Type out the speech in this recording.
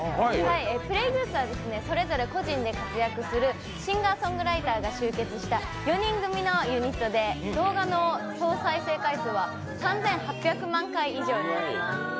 Ｐｌａｙ．Ｇｏｏｓｅはそれぞれ個人で活躍するシンガーソングライターが集結した４人組のユニットで動画の総再生回数は３８００万回以上になります